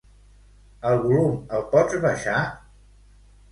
El volum, el pots baixar?